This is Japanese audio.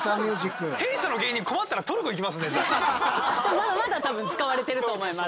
まだまだ多分使われてると思います。